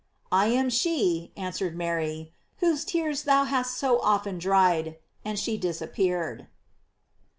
"I am she," an swered Mary, "whose tears thou hast so often dried," and she disappeared.!